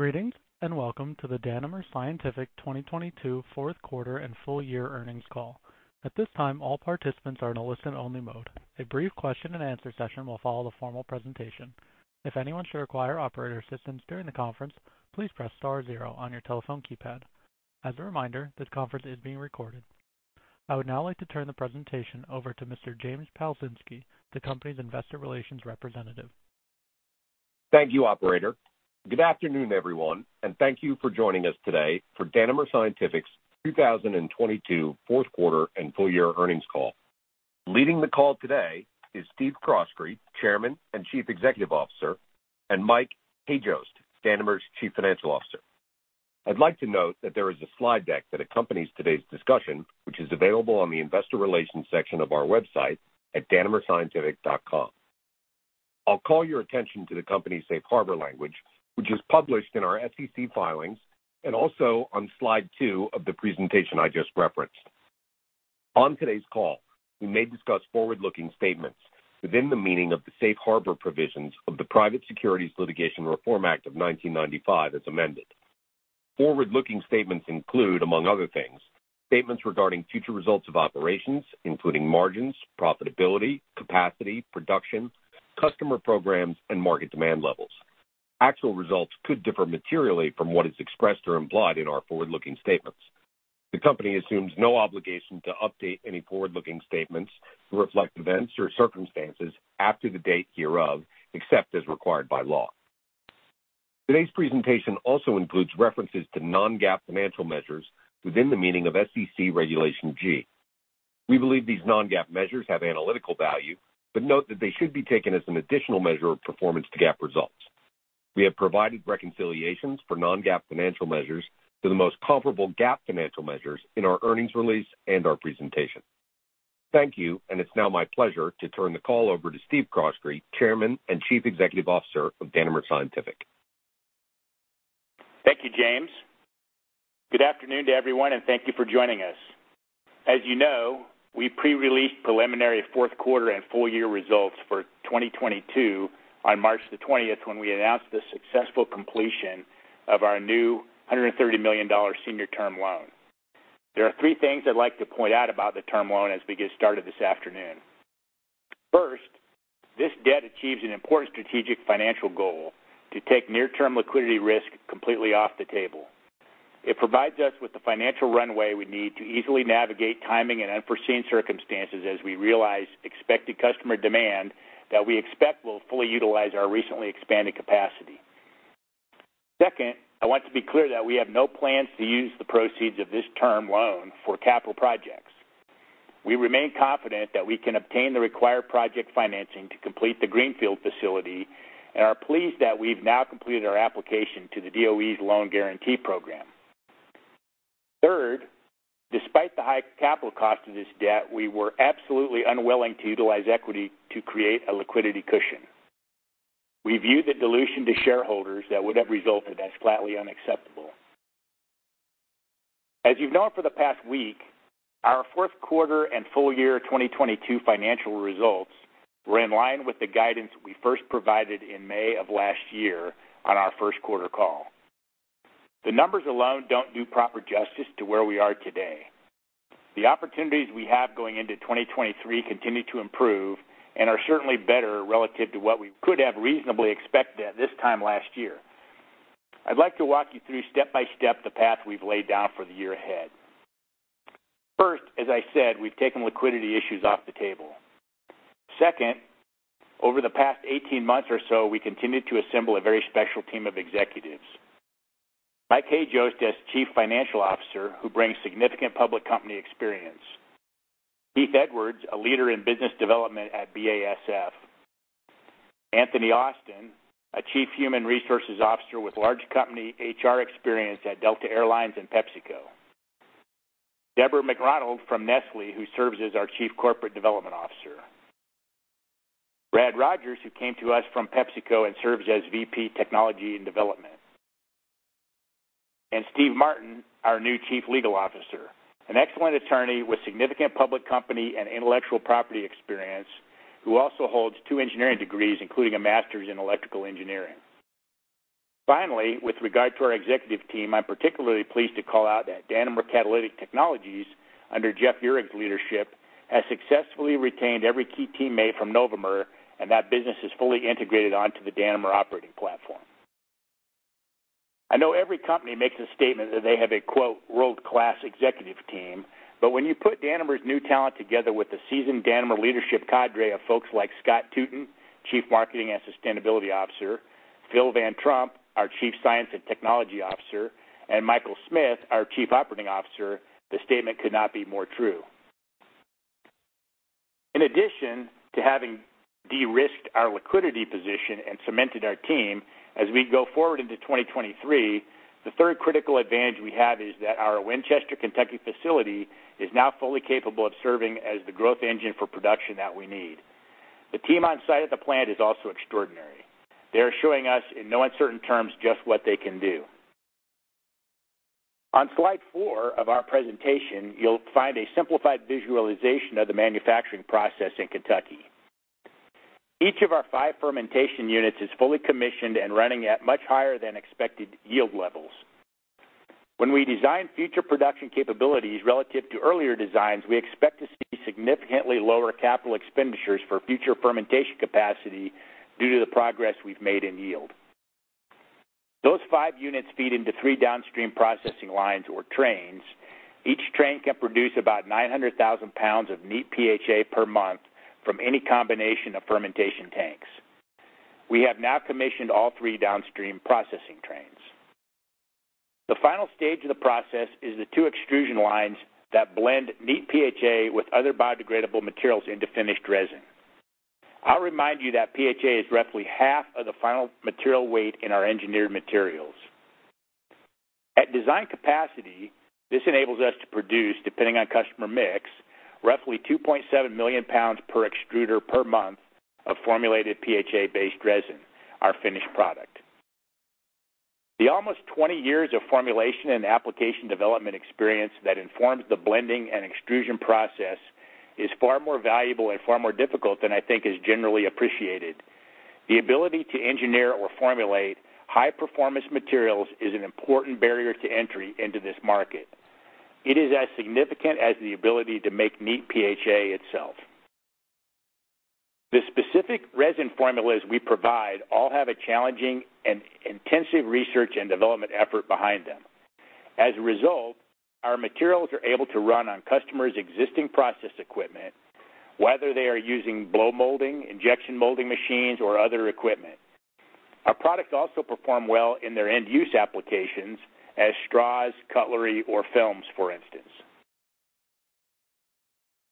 Greetings, welcome to the Danimer Scientific 2022 fourth quarter and full year earnings call. At this time, all participants are in a listen-only mode. A brief question and answer session will follow the formal presentation. If anyone should require operator assistance during the conference, please press star zero on your telephone keypad. As a reminder, this conference is being recorded. I would now like to turn the presentation over to Mr. James Palczynski, the company's investor relations representative. Thank you, operator. Good afternoon, everyone, and thank you for joining us today for Danimer Scientific's 2022 fourth quarter and full year earnings call. Leading the call today is Steve Croskrey, Chairman and Chief Executive Officer, and Mike Hajost, Danimer's Chief Financial Officer. I'd like to note that there is a slide deck that accompanies today's discussion, which is available on the investor relations section of our website at danimerscientific.com. I'll call your attention to the company's safe harbor language, which is published in our SEC filings and also on slide 2 of the presentation I just referenced. On today's call, we may discuss forward-looking statements within the meaning of the Safe Harbor Provisions of the Private Securities Litigation Reform Act of 1995 as amended. Forward-looking statements include, among other things, statements regarding future results of operations, including margins, profitability, capacity, production, customer programs, and market demand levels. Actual results could differ materially from what is expressed or implied in our forward-looking statements. The company assumes no obligation to update any forward-looking statements to reflect events or circumstances after the date hereof, except as required by law. Today's presentation also includes references to non-GAAP financial measures within the meaning of SEC Regulation G. We believe these non-GAAP measures have analytical value, but note that they should be taken as an additional measure of performance to GAAP results. We have provided reconciliations for non-GAAP financial measures to the most comparable GAAP financial measures in our earnings release and our presentation. Thank you, and it's now my pleasure to turn the call over to Steve Croskrey, Chairman and Chief Executive Officer of Danimer Scientific. Thank you, James. Good afternoon to everyone. Thank you for joining us. As you know, we pre-released preliminary fourth quarter and full year results for 2022 on March 20th when we announced the successful completion of our new $130 million senior term loan. There are three things I'd like to point out about the term loan as we get started this afternoon. First, this debt achieves an important strategic financial goal to take near-term liquidity risk completely off the table. It provides us with the financial runway we need to easily navigate timing and unforeseen circumstances as we realize expected customer demand that we expect will fully utilize our recently expanded capacity. Second, I want to be clear that we have no plans to use the proceeds of this term loan for capital projects. We remain confident that we can obtain the required project financing to complete the Greenfield facility and are pleased that we've now completed our application to the DOE's loan guarantee program. Third, despite the high capital cost of this debt, we were absolutely unwilling to utilize equity to create a liquidity cushion. We view the dilution to shareholders that would have resulted as flatly unacceptable. As you've known for the past week, our fourth quarter and full year 2022 financial results were in line with the guidance we first provided in May of last year on our first quarter call. The numbers alone don't do proper justice to where we are today. The opportunities we have going into 2023 continue to improve and are certainly better relative to what we could have reasonably expected at this time last year. I'd like to walk you through step-by-step the path we've laid down for the year ahead. First, as I said, we've taken liquidity issues off the table. Second, over the past 18 months or so, we continued to assemble a very special team of executives. Mike Hajost as Chief Financial Officer, who brings significant public company experience. Keith Edwards, a leader in business development at BASF. Anthony Austin, a Chief Human Resources Officer with large company HR experience at Delta Air Lines and PepsiCo. Deborah McRonald from Nestlé, who serves as our Chief Corporate Development Officer. Brad Rogers, who came to us from PepsiCo and serves as VP Technology and Development. Steve Martin, our new Chief Legal Officer, an excellent attorney with significant public company and intellectual property experience, who also holds two engineering degrees, including a master's in electrical engineering. Finally, with regard to our executive team, I'm particularly pleased to call out that Danimer Catalytic Technologies under Jeff Urich's leadership, has successfully retained every key teammate from Novomer, and that business is fully integrated onto the Danimer operating platform. I know every company makes a statement that they have a, quote, world-class executive team. When you put Danimer's new talent together with the seasoned Danimer leadership cadre of folks like Scott Tuten, Chief Marketing and Sustainability Officer, Phil Van Trump, our Chief Science and Technology Officer, and Michael Smith, our Chief Operating Officer, the statement could not be more true. In addition to having de-risked our liquidity position and cemented our team as we go forward into 2023, the third critical advantage we have is that our Winchester, Kentucky, facility is now fully capable of serving as the growth engine for production that we need. The team on site at the plant is also extraordinary. They are showing us in no uncertain terms just what they can do. On slide 4 of our presentation, you'll find a simplified visualization of the manufacturing process in Kentucky. Each of our 5 fermentation units is fully commissioned and running at much higher than expected yield levels. When we design future production capabilities relative to earlier designs, we expect to see significantly lower capital expenditures for future fermentation capacity due to the progress we've made in yield. Those 5 units feed into 3 downstream processing lines or trains. Each train can produce about 900,000 pounds of neat PHA per month from any combination of fermentation tanks. We have now commissioned all 3 downstream processing trains. The final stage of the process is the 2 extrusion lines that blend neat PHA with other biodegradable materials into finished resin. I'll remind you that PHA is roughly half of the final material weight in our engineered materials. At design capacity, this enables us to produce, depending on customer mix, roughly 2.7 million pounds per extruder per month of formulated PHA-based resin, our finished product. The almost 20 years of formulation and application development experience that informs the blending and extrusion process is far more valuable and far more difficult than I think is generally appreciated. The ability to engineer or formulate high-performance materials is an important barrier to entry into this market. It is as significant as the ability to make neat PHA itself. The specific resin formulas we provide all have a challenging and intensive research and development effort behind them. As a result, our materials are able to run on customers' existing process equipment, whether they are using blow molding, injection molding machines or other equipment. Our products also perform well in their end-use applications as straws, cutlery or films, for instance.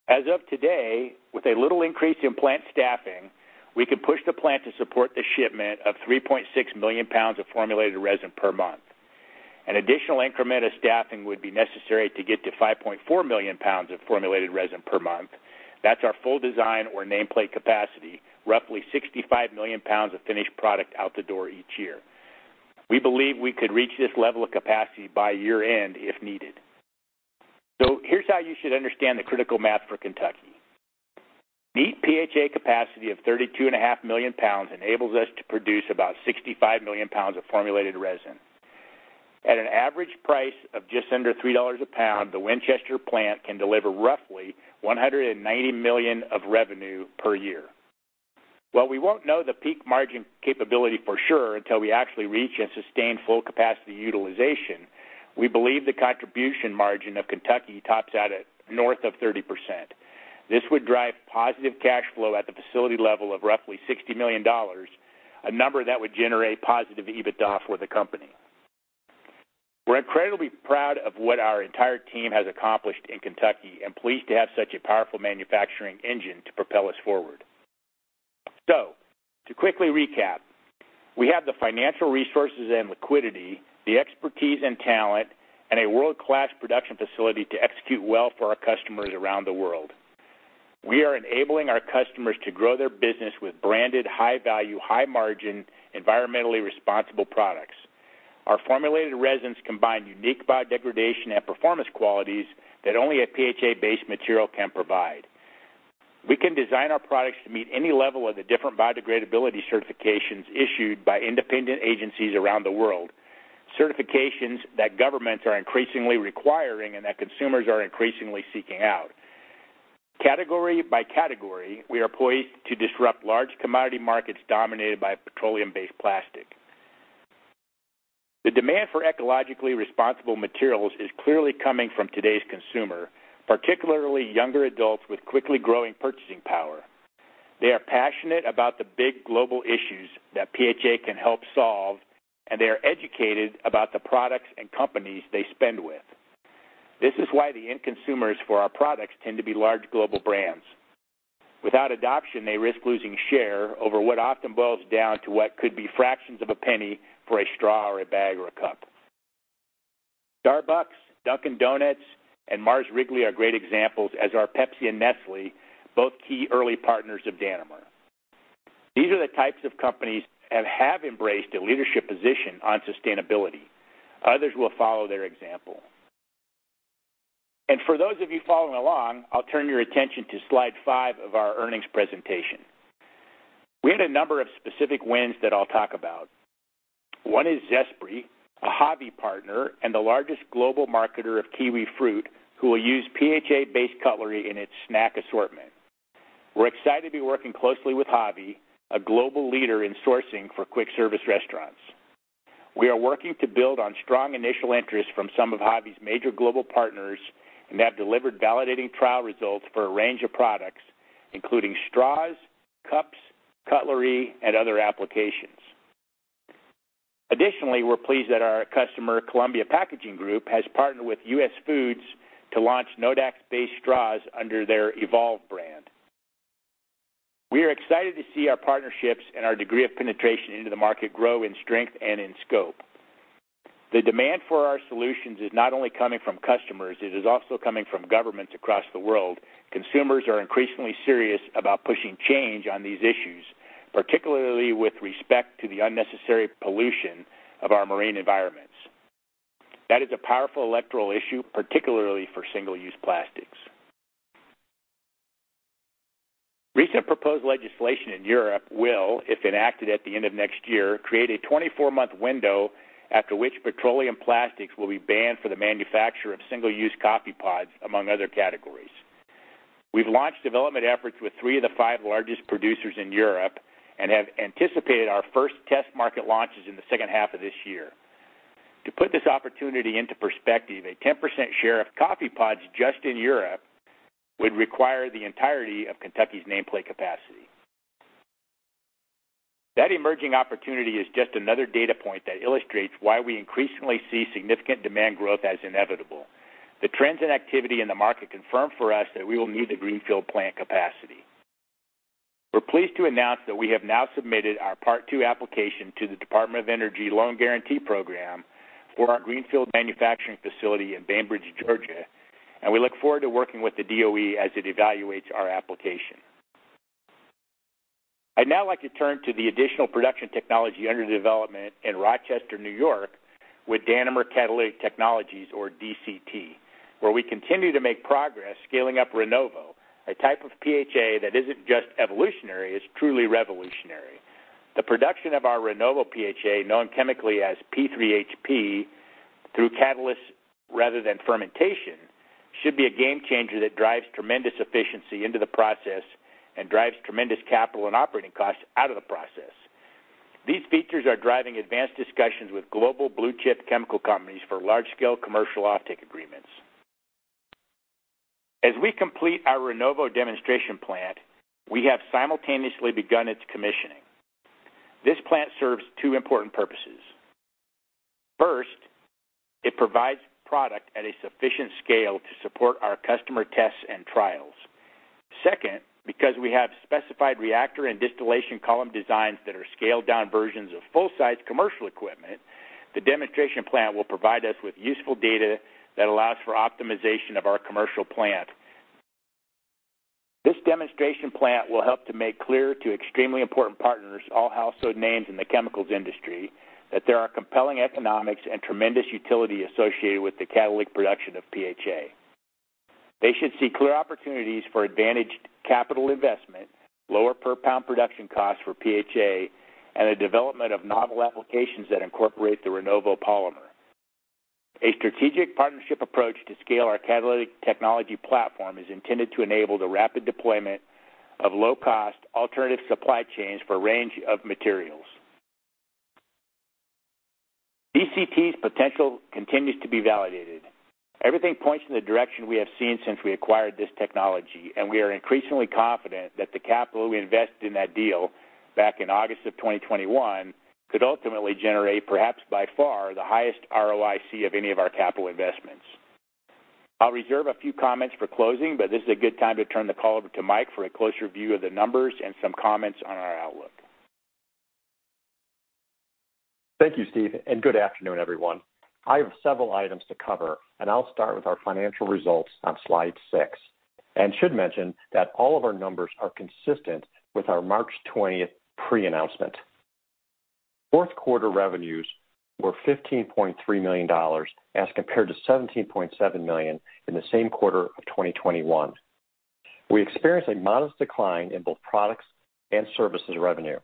As of today, with a little increase in plant staffing, we can push the plant to support the shipment of 3.6 million pounds of formulated resin per month. An additional increment of staffing would be necessary to get to 5.4 million pounds of formulated resin per month. That's our full design or nameplate capacity, roughly 65 million pounds of finished product out the door each year. We believe we could reach this level of capacity by year-end if needed. Here's how you should understand the critical math for Kentucky. Neat PHA capacity of 32.5 million pounds enables us to produce about 65 million pounds of formulated resin. At an average price of just under $3 a pound, the Winchester plant can deliver roughly $190 million of revenue per year. While we won't know the peak margin capability for sure until we actually reach and sustain full capacity utilization, we believe the contribution margin of Kentucky tops out at north of 30%. This would drive positive cash flow at the facility level of roughly $60 million, a number that would generate positive EBITDA for the company. We're incredibly proud of what our entire team has accomplished in Kentucky and pleased to have such a powerful manufacturing engine to propel us forward. To quickly recap, we have the financial resources and liquidity, the expertise and talent, and a world-class production facility to execute well for our customers around the world. We are enabling our customers to grow their business with branded, high-value, high-margin, environmentally responsible products. Our formulated resins combine unique biodegradation and performance qualities that only a PHA-based material can provide. We can design our products to meet any level of the different biodegradability certifications issued by independent agencies around the world, certifications that governments are increasingly requiring and that consumers are increasingly seeking out. Category by category, we are poised to disrupt large commodity markets dominated by petroleum-based plastic. The demand for ecologically responsible materials is clearly coming from today's consumer, particularly younger adults with quickly growing purchasing power. They are passionate about the big global issues that PHA can help solve, and they are educated about the products and companies they spend with. This is why the end consumers for our products tend to be large global brands. Without adoption, they risk losing share over what often boils down to what could be fractions of a penny for a straw or a bag or a cup. Starbucks, Dunkin', and Mars Wrigley are great examples, as are Pepsi and Nestlé, both key early partners of Danimer. These are the types of companies that have embraced a leadership position on sustainability. Others will follow their example. For those of you following along, I'll turn your attention to slide 5 of our earnings presentation. We had a number of specific wins that I'll talk about. One is Zespri, a HAVI partner and the largest global marketer of kiwi fruit, who will use PHA-based cutlery in its snack assortment. We're excited to be working closely with HAVI, a global leader in sourcing for quick-service restaurants. We are working to build on strong initial interest from some of HAVI's major global partners and have delivered validating trial results for a range of products, including straws, cups, cutlery, and other applications. We're pleased that our customer, Columbia Packaging Group, has partnered with US Foods to launch Nodax-based straws under their Evolve brand. We are excited to see our partnerships and our degree of penetration into the market grow in strength and in scope. The demand for our solutions is not only coming from customers, it is also coming from governments across the world. Consumers are increasingly serious about pushing change on these issues. Particularly with respect to the unnecessary pollution of our marine environments. That is a powerful electoral issue, particularly for single-use plastics. Recent proposed legislation in Europe will, if enacted at the end of next year, create a 24-month window after which petroleum plastics will be banned for the manufacture of single-use coffee pods, among other categories. We've launched development efforts with 3 of the 5 largest producers in Europe and have anticipated our first test market launches in the second half of this year. To put this opportunity into perspective, a 10% share of coffee pods just in Europe would require the entirety of Kentucky's nameplate capacity. That emerging opportunity is just another data point that illustrates why we increasingly see significant demand growth as inevitable. The trends and activity in the market confirm for us that we will need the greenfield plant capacity. We're pleased to announce that we have now submitted our part two application to the Department of Energy Loan Guarantee program for our greenfield manufacturing facility in Bainbridge, Georgia. We look forward to working with the DOE as it evaluates our application. I'd now like to turn to the additional production technology under development in Rochester, New York, with Danimer Catalytic Technologies, or DCT, where we continue to make progress scaling up Rinnovo, a type of PHA that isn't just evolutionary, it's truly revolutionary. The production of our Rinnovo PHA, known chemically as P3HP, through catalysts rather than fermentation, should be a game changer that drives tremendous efficiency into the process and drives tremendous capital and operating costs out of the process. These features are driving advanced discussions with global blue chip chemical companies for large-scale commercial offtake agreements. As we complete our Rinnovo demonstration plant, we have simultaneously begun its commissioning. This plant serves two important purposes. First, it provides product at a sufficient scale to support our customer tests and trials. Second, because we have specified reactor and distillation column designs that are scaled-down versions of full-size commercial equipment, the demonstration plant will provide us with useful data that allows for optimization of our commercial plant. This demonstration plant will help to make clear to extremely important partners, all household names in the chemicals industry, that there are compelling economics and tremendous utility associated with the catalytic production of PHA. They should see clear opportunities for advantaged capital investment, lower per pound production costs for PHA, and a development of novel applications that incorporate the Rinnovo polymer. A strategic partnership approach to scale our catalytic technology platform is intended to enable the rapid deployment of low-cost alternative supply chains for a range of materials. DCT's potential continues to be validated. Everything points in the direction we have seen since we acquired this technology. We are increasingly confident that the capital we invested in that deal back in August of 2021 could ultimately generate, perhaps by far, the highest ROIC of any of our capital investments. I'll reserve a few comments for closing. This is a good time to turn the call over to Mike for a closer view of the numbers and some comments on our outlook. Thank you, Steve. Good afternoon, everyone. I have several items to cover, and I'll start with our financial results on slide 6, and should mention that all of our numbers are consistent with our March 20th pre-announcement. Fourth quarter revenues were $15.3 million as compared to $17.7 million in the same quarter of 2021. We experienced a modest decline in both products and services revenue.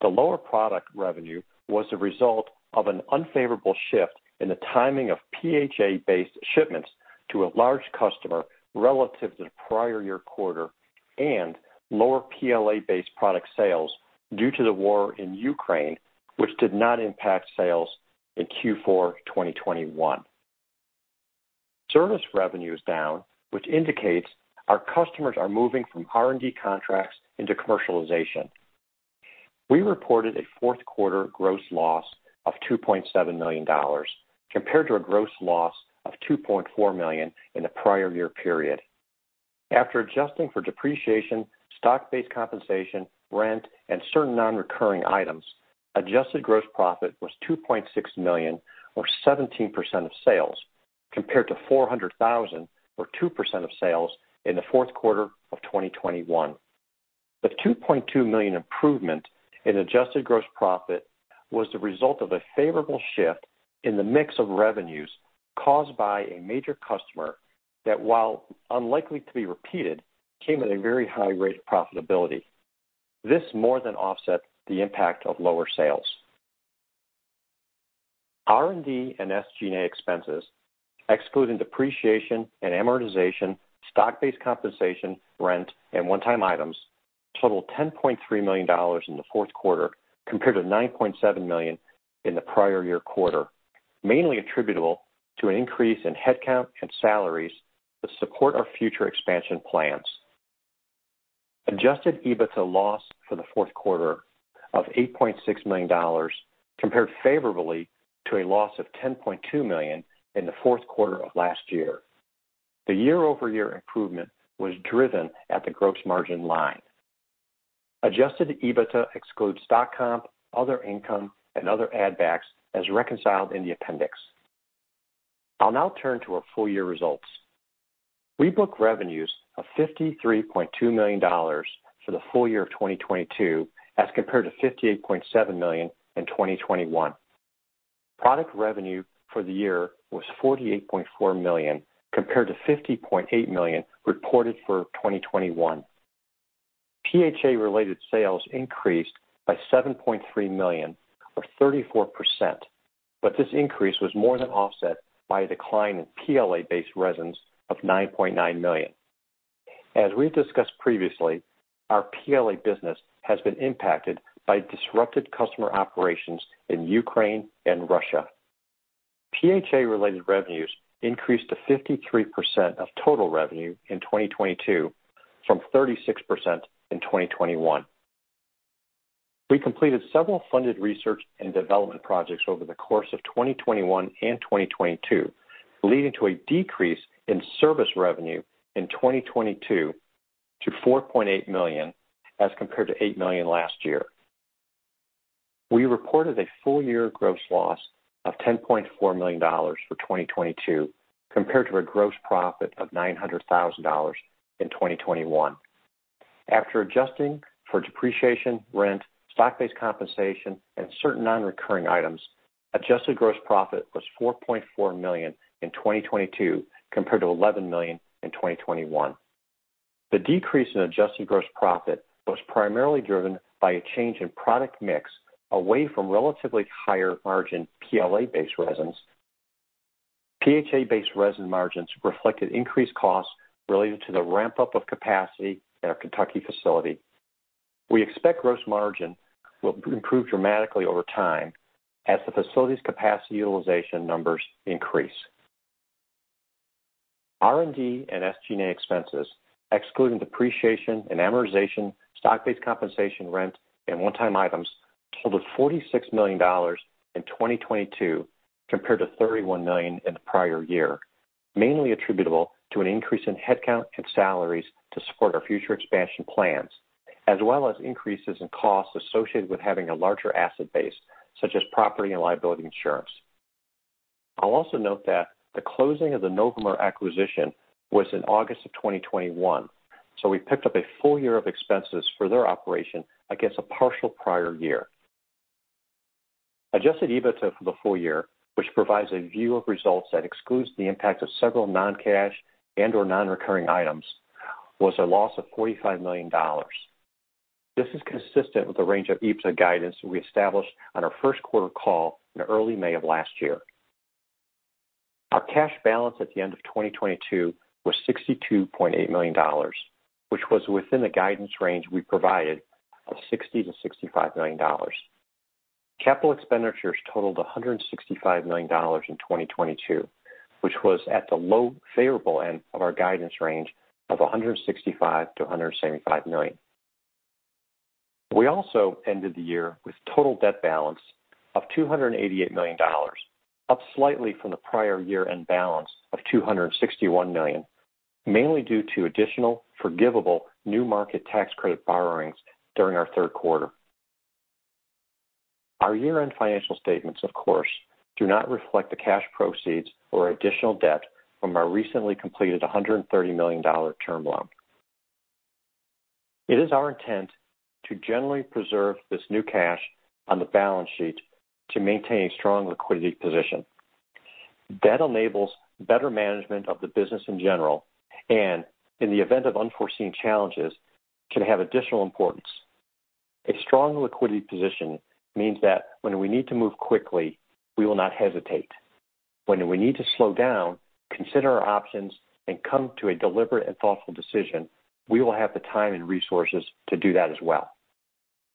The lower product revenue was the result of an unfavorable shift in the timing of PHA-based shipments to a large customer relative to the prior year quarter and lower PLA-based product sales due to the war in Ukraine, which did not impact sales in Q4 2021. Service revenue is down, which indicates our customers are moving from R&D contracts into commercialization. We reported a fourth quarter gross loss of $2.7 million compared to a gross loss of $2.4 million in the prior year period. After adjusting for depreciation, stock-based compensation, rent, and certain non-recurring items, adjusted gross profit was $2.6 million or 17% of sales, compared to $400,000 or 2% of sales in the fourth quarter of 2021. The $2.2 million improvement in adjusted gross profit was the result of a favorable shift in the mix of revenues caused by a major customer that, while unlikely to be repeated, came at a very high rate of profitability. This more than offset the impact of lower sales. R&D and SG&A expenses, excluding depreciation and amortization, stock-based compensation, rent, and one-time items, totaled $10.3 million in the fourth quarter compared to $9.7 million in the prior year quarter, mainly attributable to an increase in headcount and salaries to support our future expansion plans. Adjusted EBITDA loss for the fourth quarter of $8.6 million compared favorably to a loss of $10.2 million in the fourth quarter of last year. The year-over-year improvement was driven at the gross margin line. Adjusted EBITDA excludes stock comp, other income, and other add backs as reconciled in the appendix. I'll now turn to our full year results. We book revenues of $53.2 million for the full year of 2022, as compared to $58.7 million in 2021. Product revenue for the year was $48.4 million compared to $50.8 million reported for 2021. PHA-related sales increased by $7.3 million or 34%, but this increase was more than offset by a decline in PLA-based resins of $9.9 million. As we've discussed previously, our PLA business has been impacted by disrupted customer operations in Ukraine and Russia. PHA-related revenues increased to 53% of total revenue in 2022 from 36% in 2021. We completed several funded research and development projects over the course of 2021 and 2022, leading to a decrease in service revenue in 2022 to $4.8 million as compared to $8 million last year. We reported a full year gross loss of $10.4 million for 2022 compared to a gross profit of $900,000 in 2021. After adjusting for depreciation, rent, stock-based compensation, and certain non-recurring items, adjusted gross profit was $4.4 million in 2022 compared to $11 million in 2021. The decrease in adjusted gross profit was primarily driven by a change in product mix away from relatively higher margin PLA-based resins. PHA-based resin margins reflected increased costs related to the ramp-up of capacity at our Kentucky facility. We expect gross margin will improve dramatically over time as the facility's capacity utilization numbers increase. R&D and SG&A expenses excluding depreciation and amortization, stock-based compensation, rent, and one-time items totaled $46 million in 2022 compared to $31 million in the prior year, mainly attributable to an increase in headcount and salaries to support our future expansion plans, as well as increases in costs associated with having a larger asset base such as property and liability insurance. I'll also note that the closing of the Novomer acquisition was in August of 2021, so we picked up a full year of expenses for their operation against a partial prior year. Adjusted EBITDA for the full year, which provides a view of results that excludes the impact of several non-cash and/or non-recurring items, was a loss of $45 million. This is consistent with the range of EBITDA guidance we established on our first quarter call in early May of last year. Our cash balance at the end of 2022 was $62.8 million, which was within the guidance range we provided of $60 million-$65 million. Capital expenditures totaled $165 million in 2022, which was at the low favorable end of our guidance range of $165 million-$175 million. We also ended the year with total debt balance of $288 million, up slightly from the prior year-end balance of $261 million, mainly due to additional forgivable New Markets Tax Credit borrowings during our third quarter. Our year-end financial statements, of course, do not reflect the cash proceeds or additional debt from our recently completed $130 million term loan. It is our intent to generally preserve this new cash on the balance sheet to maintain a strong liquidity position. That enables better management of the business in general and, in the event of unforeseen challenges, can have additional importance. A strong liquidity position means that when we need to move quickly, we will not hesitate. When we need to slow down, consider our options, and come to a deliberate and thoughtful decision, we will have the time and resources to do that as well.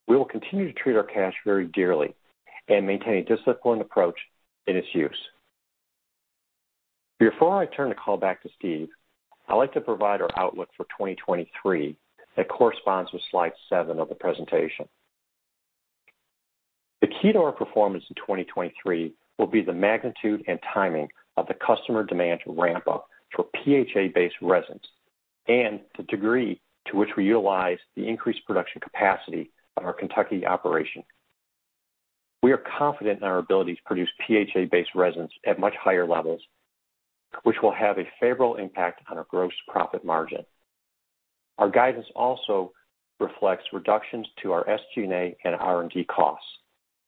We will continue to treat our cash very dearly and maintain a disciplined approach in its use. Before I turn the call back to Steve, I'd like to provide our outlook for 2023 that corresponds with slide 7 of the presentation. The key to our performance in 2023 will be the magnitude and timing of the customer demand ramp-up for PHA-based resins and the degree to which we utilize the increased production capacity of our Kentucky operation. We are confident in our ability to produce PHA-based resins at much higher levels, which will have a favorable impact on our gross profit margin. Our guidance also reflects reductions to our SG&A and R&D costs,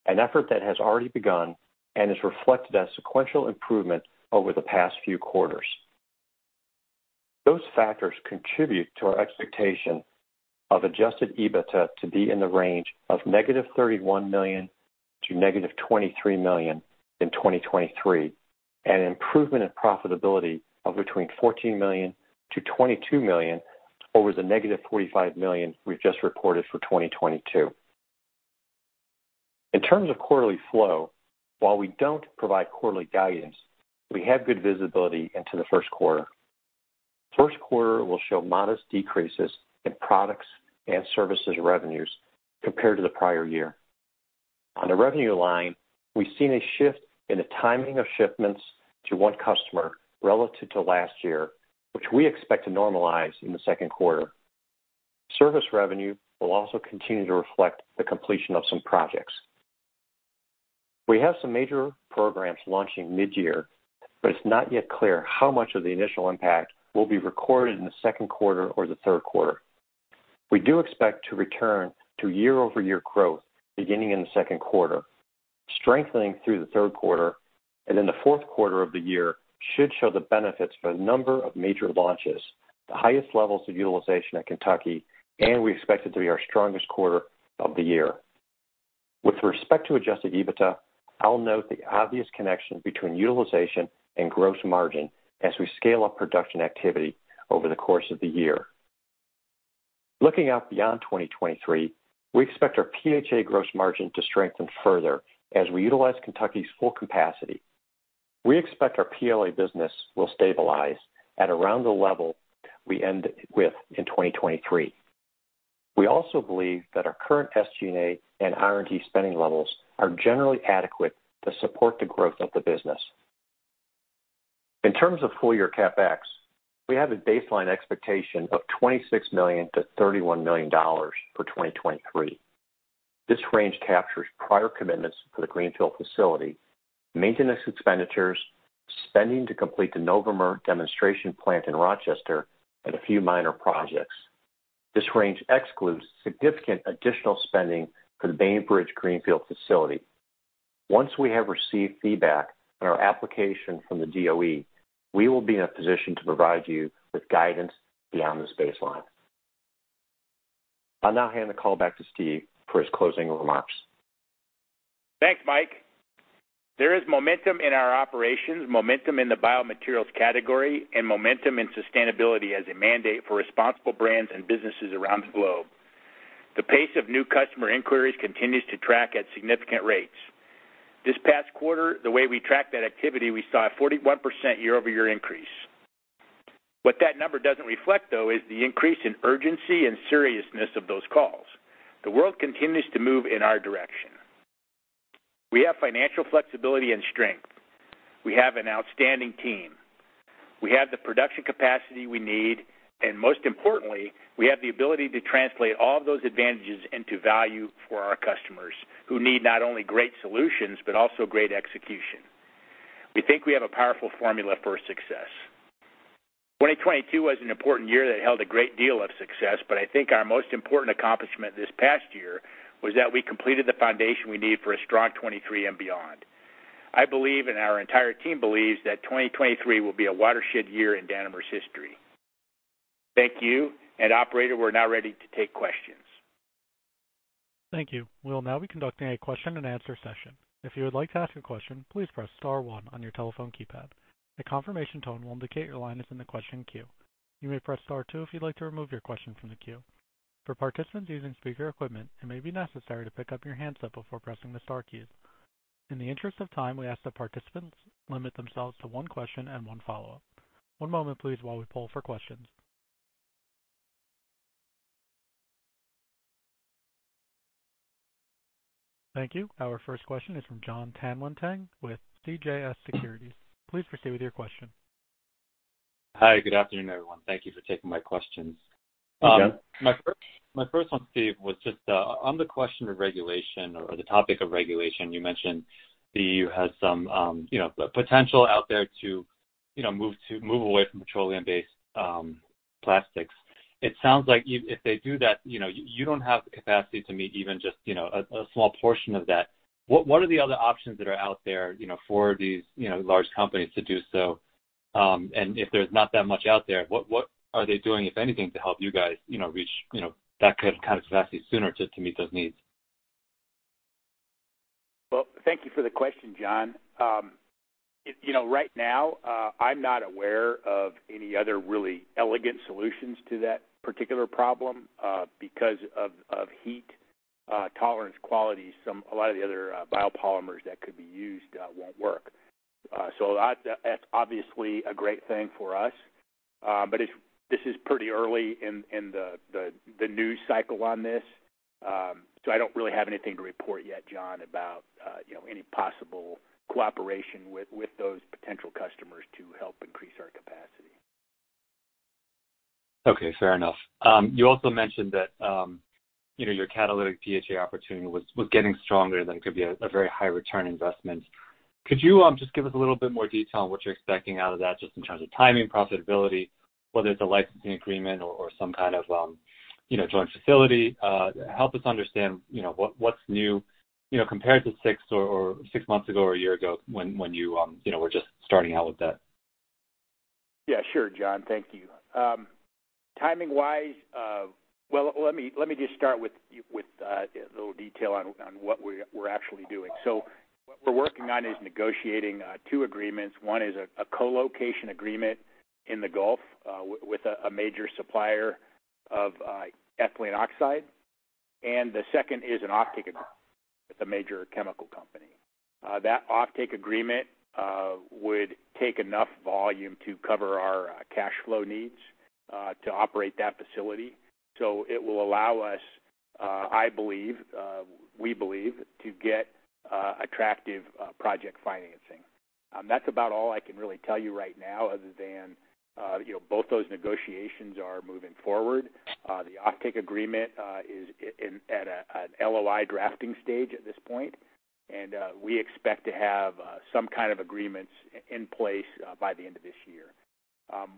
an effort that has already begun and is reflected as sequential improvement over the past few quarters. Those factors contribute to our expectation of adjusted EBITDA to be in the range of negative $31 million to negative $23 million in 2023, an improvement in profitability of between $14 million to $22 million over the negative $45 million we've just reported for 2022. In terms of quarterly flow, while we don't provide quarterly guidance, we have good visibility into the first quarter. First quarter will show modest decreases in products and services revenues compared to the prior year. On the revenue line, we've seen a shift in the timing of shipments to one customer relative to last year, which we expect to normalize in the second quarter. Service revenue will also continue to reflect the completion of some projects. We have some major programs launching mid-year, but it's not yet clear how much of the initial impact will be recorded in the second quarter or the third quarter. We do expect to return to year-over-year growth beginning in the second quarter, strengthening through the third quarter, and then the fourth quarter of the year should show the benefits of a number of major launches, the highest levels of utilization at Kentucky, and we expect it to be our strongest quarter of the year. With respect to adjusted EBITDA, I'll note the obvious connection between utilization and gross margin as we scale up production activity over the course of the year. Looking out beyond 2023, we expect our PHA gross margin to strengthen further as we utilize Kentucky's full capacity. We expect our PLA business will stabilize at around the level we end with in 2023. We also believe that our current SG&A and R&D spending levels are generally adequate to support the growth of the business. In terms of full year CapEx, we have a baseline expectation of $26 million-$31 million for 2023. This range captures prior commitments for the greenfield facility, maintenance expenditures, spending to complete the Novomer demonstration plant in Rochester, and a few minor projects. This range excludes significant additional spending for the Bainbridge greenfield facility. Once we have received feedback on our application from the DOE, we will be in a position to provide you with guidance beyond this baseline. I'll now hand the call back to Steve for his closing remarks. Thanks, Mike. There is momentum in our operations, momentum in the biomaterials category, and momentum in sustainability as a mandate for responsible brands and businesses around the globe. The pace of new customer inquiries continues to track at significant rates. This past quarter, the way we tracked that activity, we saw a 41% year-over-year increase. What that number doesn't reflect, though, is the increase in urgency and seriousness of those calls. The world continues to move in our direction. We have financial flexibility and strength. We have an outstanding team. We have the production capacity we need, and most importantly, we have the ability to translate all of those advantages into value for our customers who need not only great solutions, but also great execution. We think we have a powerful formula for success. 2022 was an important year that held a great deal of success. I think our most important accomplishment this past year was that we completed the foundation we need for a strong 2023 and beyond. I believe, and our entire team believes, that 2023 will be a watershed year in Danimer's history. Thank you. Operator, we're now ready to take questions. Thank you. We'll now be conducting a question and answer session. If you would like to ask a question, please press star one on your telephone keypad. A confirmation tone will indicate your line is in the question queue. You may press star two if you'd like to remove your question from the queue. For participants using speaker equipment, it may be necessary to pick up your handset before pressing the star keys. In the interest of time, we ask that participants limit themselves to one question and one follow-up. One moment, please, while we poll for questions. Thank you. Our first question is from Jon Tanwanteng with CJS Securities. Please proceed with your question. Hi. Good afternoon, everyone. Thank you for taking my questions. Hi, Jon. My first one, Steve, was just on the question of regulation or the topic of regulation. You mentioned the EU has some, you know, potential out there to, you know, move away from petroleum-based plastics. It sounds like if they do that, you know, you don't have the capacity to meet even just, you know, a small portion of that. What are the other options that are out there, you know, for these, you know, large companies to do so? If there's not that much out there, what are they doing, if anything, to help you guys, you know, reach, you know, that kind of capacity sooner to meet those needs? Well, thank you for the question, John. You know, right now, I'm not aware of any other really elegant solutions to that particular problem, because of heat tolerance qualities. A lot of the other biopolymers that could be used, won't work. That's, that's obviously a great thing for us. This is pretty early in the news cycle on this, I don't really have anything to report yet, John, about, you know, any possible cooperation with those potential customers to help increase our capacity. Fair enough. You also mentioned that, you know, your catalytic PHA opportunity was getting stronger, that it could be a very high return investment. Could you just give us a little bit more detail on what you're expecting out of that, just in terms of timing, profitability, whether it's a licensing agreement or some kind of, you know, joint facility? Help us understand, you know, what's new, you know, compared to 6 or 6 months ago or a year ago when you know, were just starting out with that. Thank you. Timing-wise, well, let me just start with a little detail on what we're actually doing. What we're working on is negotiating two agreements. One is a co-location agreement in the Gulf with a major supplier of ethylene oxide, and the second is an offtake agreement with a major chemical company. That offtake agreement would take enough volume to cover our cash flow needs to operate that facility. So it will allow us, I believe, we believe, to get attractive project financing. That's about all I can really tell you right now other than, you know, both those negotiations are moving forward. The offtake agreement is at an LOI drafting stage at this point, and we expect to have some kind of agreements in place by the end of this year.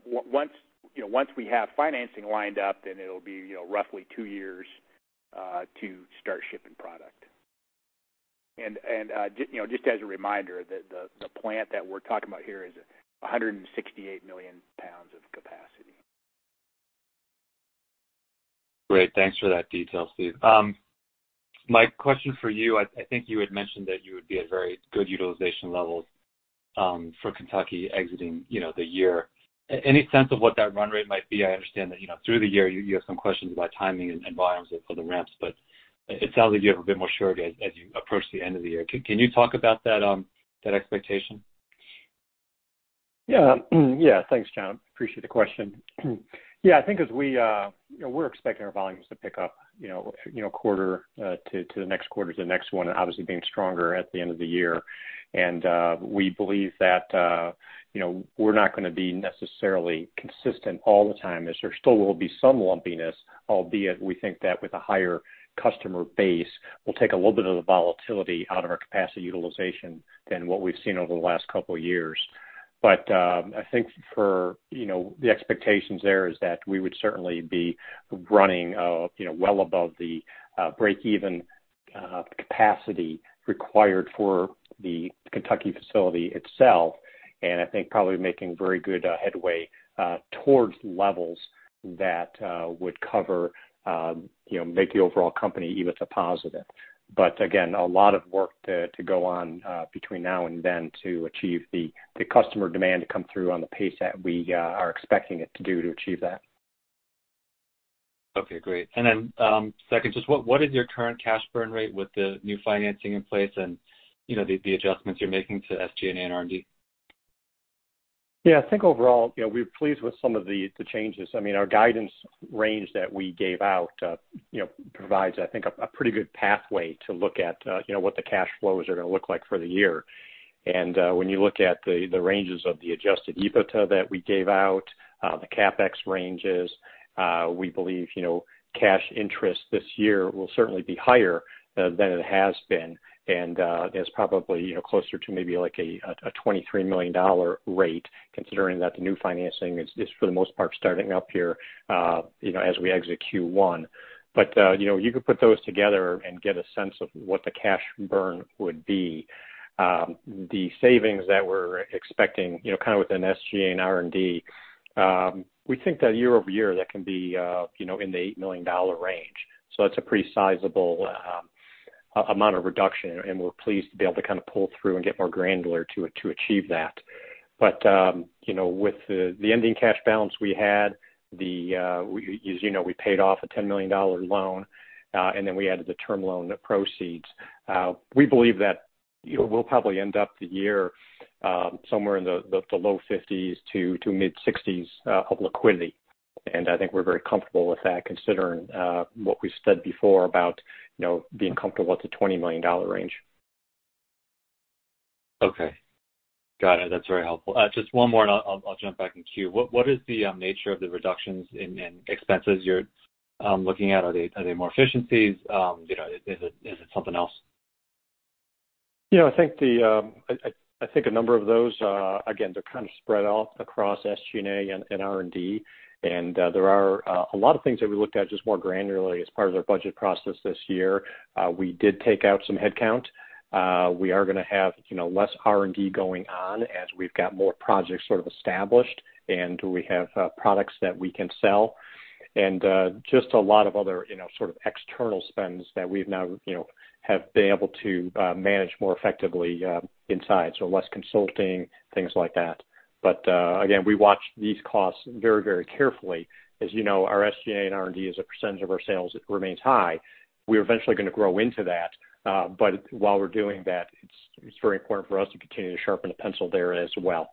Once, you know, once we have financing lined up, then it'll be, you know, roughly 2 years to start shipping product. You know, just as a reminder, the plant that we're talking about here is 168 million pounds of capacity. Great. Thanks for that detail, Steve. Mike, question for you. I think you had mentioned that you would be at very good utilization levels for Kentucky exiting, you know, the year. Any sense of what that run rate might be? I understand that, you know, through the year you have some questions about timing and volumes for the ramps, but it sounds like you have a bit more surety as you approach the end of the year. Can you talk about that expectation? Yeah. Thanks, Jon. Appreciate the question. Yeah, I think as we, you know, we're expecting our volumes to pick up, you know, quarter to the next quarter, to the next one, obviously being stronger at the end of the year. We believe that, you know, we're not going to be necessarily consistent all the time, as there still will be some lumpiness, albeit we think that with a higher customer base, we'll take a little bit of the volatility out of our capacity utilization than what we've seen over the last couple years. I think for, you know, the expectations there is that we would certainly be running, you know, well above the break even capacity required for the Kentucky facility itself, and I think probably making very good headway towards levels that would cover, you know, make the overall company EBITDA positive. Again, a lot of work to go on between now and then to achieve the customer demand to come through on the pace that we are expecting it to do to achieve that. Okay, great. Second, just what is your current cash burn rate with the new financing in place and, you know, the adjustments you're making to SG&A R&D? Yeah. I think overall, you know, we're pleased with some of the changes. I mean, our guidance range that we gave out, you know, provides, I think, a pretty good pathway to look at, you know, what the cash flows are going to look like for the year. When you look at the ranges of the adjusted EBITDA that we gave out, the CapEx ranges, we believe, you know, cash interest this year will certainly be higher than it has been. It's probably, you know, closer to maybe like a $23 million rate considering that the new financing is for the most part starting up here, you know, as we exit Q1. You know, you could put those together and get a sense of what the cash burn would be. The savings that we're expecting, you know, kind of within SG&A R&D, we think that year-over-year, that can be, you know, in the $8 million range. That's a pretty sizable amount of reduction, and we're pleased to be able to kind of pull through and get more granular to achieve that. You know, with the ending cash balance we had, we as you know, we paid off a $10 million loan, and then we added the term loan proceeds. We believe that, you know, we'll probably end up the year somewhere in the low $50 million to mid-$60 million of liquidity. I think we're very comfortable with that, considering what we've said before about, you know, being comfortable with the $20 million range. Okay. Got it. That's very helpful. Just one more and I'll jump back in queue. What is the nature of the reductions in expenses you're looking at? Are they more efficiencies? You know, is it something else? You know, I think a number of those, again, they're kind of spread out across SG&A and R&D. There are a lot of things that we looked at just more granularly as part of our budget process this year. We did take out some headcount. We are going to have, you know, less R&D going on as we've got more projects sort of established and we have products that we can sell. Just a lot of other, you know, sort of external spends that we've now, you know, have been able to manage more effectively inside, so less consulting, things like that. Again, we watch these costs very, very carefully. As you know, our SG&A and R&D as a % of our sales remains high. We're eventually going to grow into that. While we're doing that, it's very important for us to continue to sharpen the pencil there as well.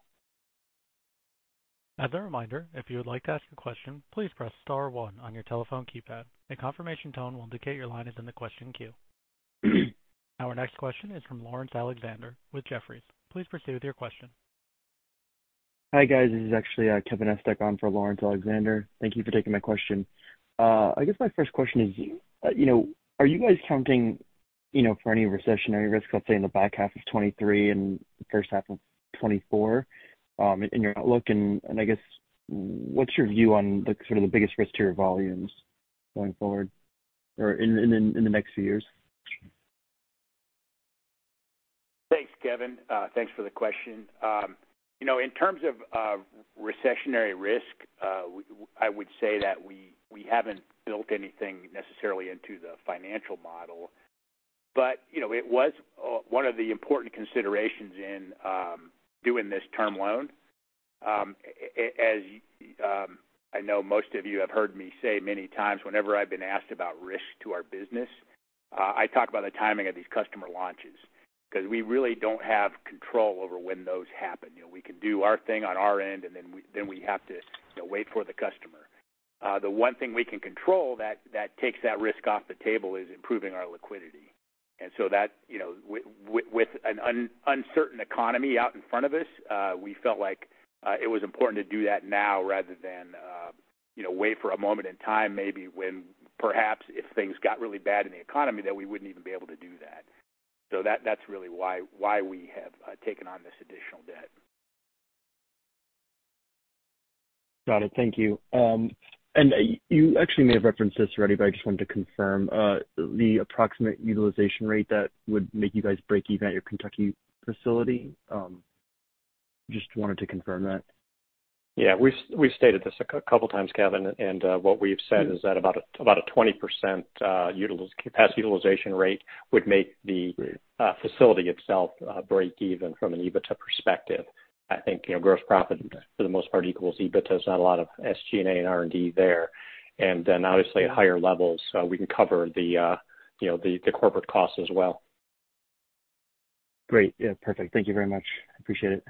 As a reminder, if you would like to ask a question, please press star 1 on your telephone keypad. A confirmation tone will indicate your line is in the question queue. Our next question is from Laurence Alexander with Jefferies. Please proceed with your question. Hi, guys. This is actually Kevin Estis on for Laurence Alexander. Thank you for taking my question. I guess my first question is, you know, are you guys counting, you know, for any recessionary risk, let's say in the back half of 2023 and the first half of 2024, in your outlook? I guess what's your view on the sort of the biggest risk to your volumes going forward or in the next few years? Thanks, Kevin. Thanks for the question. You know, in terms of recessionary risk, I would say that we haven't built anything necessarily into the financial model, but, you know, it was one of the important considerations in doing this term loan. As I know most of you have heard me say many times, whenever I've been asked about risk to our business, I talk about the timing of these customer launches, 'cause we really don't have control over when those happen. You know, we can do our thing on our end, and then we have to, you know, wait for the customer. The one thing we can control that takes that risk off the table is improving our liquidity. That, you know, with an uncertain economy out in front of us, we felt like it was important to do that now rather than, you know, wait for a moment in time, maybe when perhaps if things got really bad in the economy, that we wouldn't even be able to do that. That, that's really why we have taken on this additional debt. Got it. Thank you. You actually may have referenced this already, but I just wanted to confirm, the approximate utilization rate that would make you guys break even at your Kentucky facility. Just wanted to confirm that. Yeah, we've stated this a couple times, Kevin, what we've said is that about a 20% capacity utilization rate would make the facility itself break even from an EBITDA perspective. I think, you know, gross profit for the most part equals EBITDA. There's not a lot of SG&A and R&D there. Obviously at higher levels, we can cover the, you know, the corporate costs as well. Great. Yeah, perfect. Thank you very much. Appreciate it.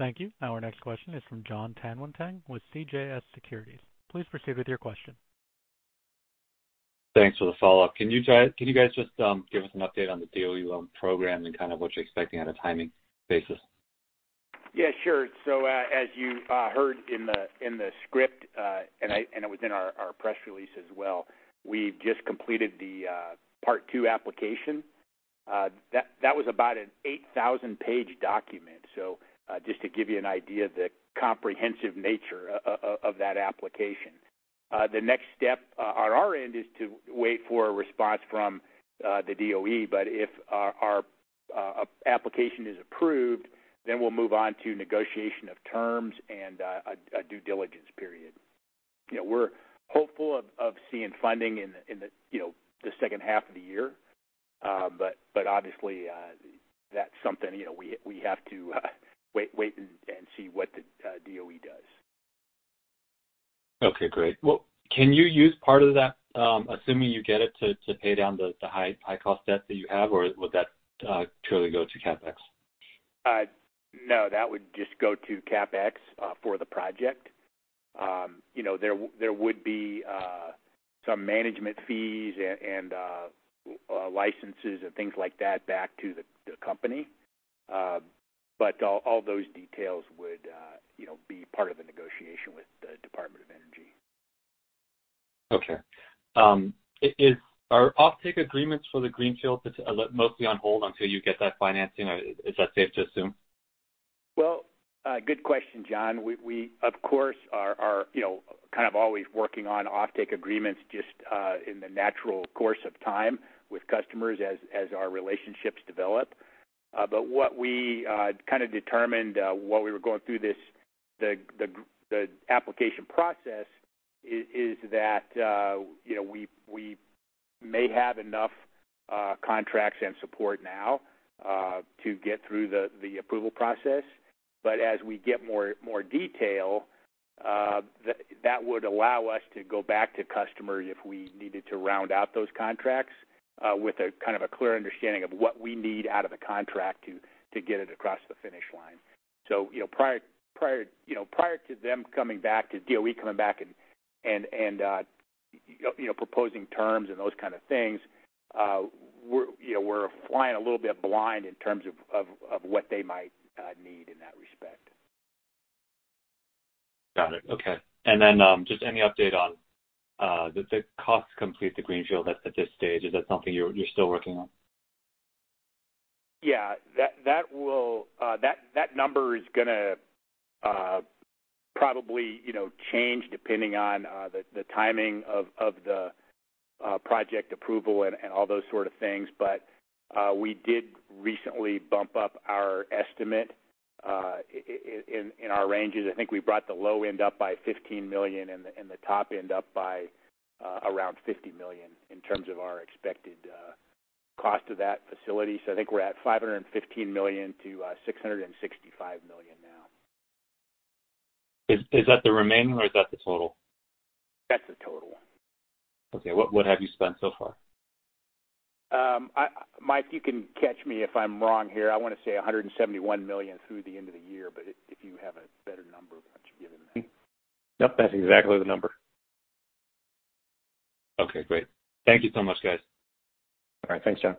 Thank you. Our next question is from Jon Tanwanteng with CJS Securities. Please proceed with your question. Thanks for the follow-up. Can you guys just give us an update on the DOE loan program and kind of what you're expecting on a timing basis? Yeah, sure. As you heard in the script, and it was in our press release as well, we just completed the part two application. That was about an 8,000 page document. Just to give you an idea of the comprehensive nature of that application. The next step on our end is to wait for a response from the DOE. If our application is approved, then we'll move on to negotiation of terms and a due diligence period. You know, we're hopeful of seeing funding in the, you know, the second half of the year. But obviously, that's something, you know, we have to wait and see what the DOE does. Okay, great. Can you use part of that, assuming you get it, to pay down the high cost debt that you have, or would that purely go to CapEx? No, that would just go to CapEx for the project. You know, there would be some management fees and licenses and things like that back to the company. All those details would, you know, be part of the negotiation with the Department of Energy. Okay. Are offtake agreements for the greenfield mostly on hold until you get that financing? Is that safe to assume? Well, good question, Jon. We of course are, you know, kind of always working on offtake agreements just in the natural course of time with customers as our relationships develop. What we kind of determined while we were going through this, the application process is that, you know, we may have enough contracts and support now to get through the approval process. As we get more detail that would allow us to go back to customers if we needed to round out those contracts with a kind of a clear understanding of what we need out of the contract to get it across the finish line. You know, to them coming back, to DOE coming back and, you know, proposing terms and those kind of things, we're, you know, we're flying a little bit blind in terms of what they might, need in that respect. Got it. Okay. Then, just any update on the cost to complete the greenfield at this stage? Is that something you're still working on? Yeah, that will, that number is going to, probably, you know, change depending on the timing of the project approval and all those sort of things. We did recently bump up our estimate in our ranges. I think we brought the low end up by $15 million and the top end up by around $50 million in terms of our expected cost of that facility. I think we're at $515 million-$665 million now. Is that the remaining or is that the total? That's the total. Okay. What have you spent so far? Mike, you can catch me if I'm wrong here. I want to say $171 million through the end of the year, but if you have a better number, why don't you give him that? Yep, that's exactly the number. Okay, great. Thank you so much, guys. All right. Thanks, Jon.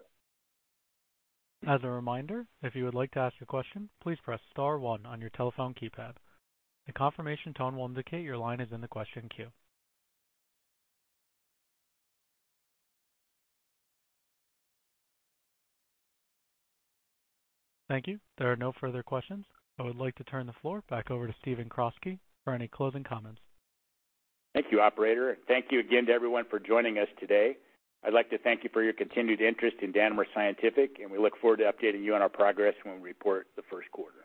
As a reminder, if you would like to ask a question, please press star one on your telephone keypad. A confirmation tone will indicate your line is in the question queue. Thank you. There are no further questions. I would like to turn the floor back over to Stephen Croskrey for any closing comments. Thank you, operator. Thank you again to everyone for joining us today. I'd like to thank you for your continued interest in Danimer Scientific. We look forward to updating you on our progress when we report the first quarter.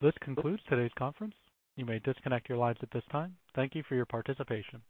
This concludes today's conference. You may disconnect your lines at this time. Thank you for your participation.